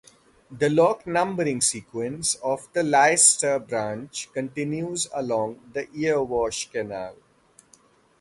The lock numbering sequence of the Leicester Branch continues along the Erewash Canal.